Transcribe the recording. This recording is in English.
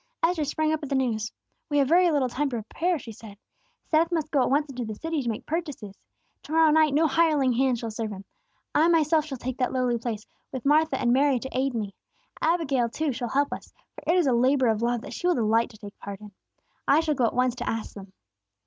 Esther sprang up at the news. "We have very little time to prepare," she said. "Seth must go at once into the city to make purchases. To morrow night, no hireling hand shall serve him. I myself shall take that lowly place, with Martha and Mary to aid me. Abigail, too, shall help us, for it is a labor of love that she will delight to take part in. I shall go at once to ask them."